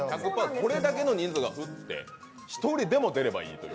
これだけの人数が振って１人でも出ればいいという。